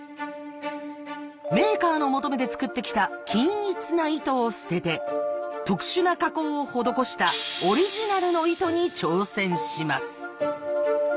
メーカーの求めで作ってきた均一な糸を捨てて特殊な加工を施したオリジナルの糸に挑戦します。